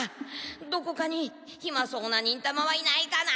どこかにヒマそうな忍たまはいないかな？